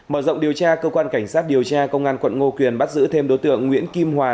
mở rộng điều tra cơ quan cảnh sát điều tra công an quận ngô quyền bắt giữ thêm đối tượng nguyễn kim hòa